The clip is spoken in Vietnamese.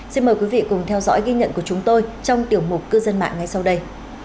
xin mời quý vị cùng theo dõi ghi nhận của chúng tôi trong tiểu mục cư dân mạng ngay sau đây